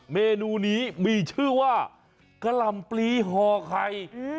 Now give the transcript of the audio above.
เมนูนี้มีชื่อว่ากะหล่ำปลีห่อไข่